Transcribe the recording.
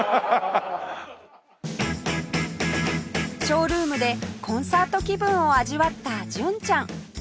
ショールームでコンサート気分を味わった純ちゃん